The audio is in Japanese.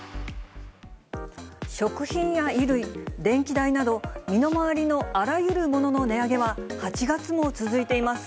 食品や衣類、電気代など、身の回りのあらゆるものの値上げは８月も続いています。